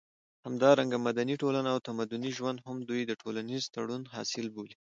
همدارنګه مدني ټولنه او تمدني ژوند هم دوی د ټولنيز تړون حاصل بولي